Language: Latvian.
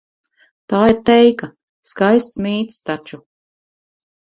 Tā ir teika, skaists mīts taču.